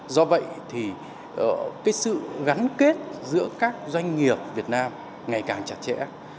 do vậy thì sự gắn kết giữa các doanh nghiệp việt nam ngày càng chặt chẽ